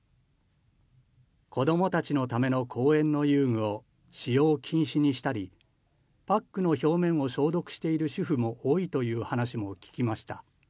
子どもたちのための公園の遊具を使用禁止にしたりパックの表面を消毒している主婦も多いという話を聞きました。